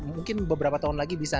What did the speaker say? mungkin beberapa tahun lagi bisa